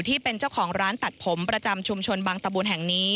ที่เป็นเจ้าของร้านตัดผมประจำชุมชนบางตะบูนแห่งนี้